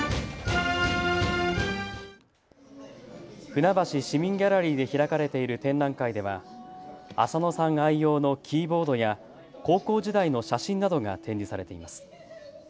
船橋市民ギャラリーで開かれている展覧会では浅野さん愛用のキーボードや高校時代の写真などが展示されています。